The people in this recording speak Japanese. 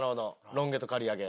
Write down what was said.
ロン毛と刈り上げ？